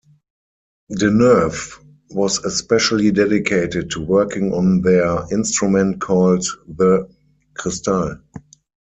Deneuve was especially dedicated to working on their instrument called the "Cristal".